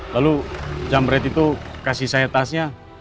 lalu jamret itu kasih saya tasnya